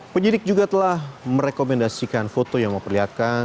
penyidik juga telah merekomendasikan foto yang memperlihatkan